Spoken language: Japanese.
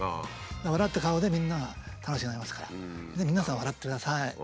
笑った顔でみんなが楽しくなりますから皆さん笑ってください。